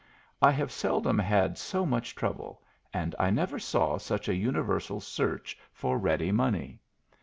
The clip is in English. I have seldom had so much trouble, and I never saw such a universal search for ready money.